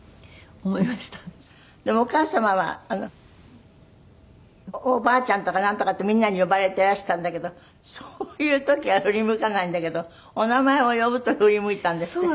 でもお母様はおばあちゃんとかなんとかってみんなに呼ばれてらしたんだけどそういう時は振り向かないんだけどお名前を呼ぶと振り向いたんですって？